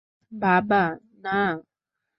বাবা, না।